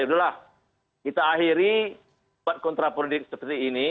yaudah lah kita akhiri buat kontrapredik seperti ini